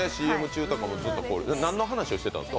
何の話をしてたんですか？